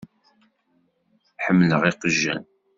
Ḥemmleɣ iqjan.